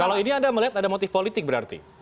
kalau ini anda melihat ada motif politik berarti